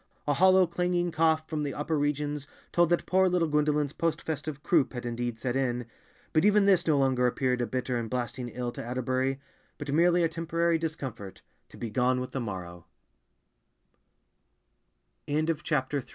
A hollow clanging cough from the upper regions told that poor little Gwendolen's post festive croup had indeed set in, but even this no longer appeared a bitter and blasting ill to Atterbury, but merely a temporary discomfort, to be gone with the morro